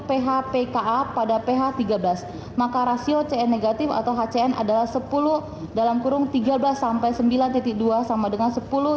phpka pada ph tiga belas maka rasio cn negatif atau hcn adalah sepuluh dalam kurung tiga belas sembilan dua sama dengan sepuluh